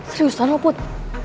seriusan lo put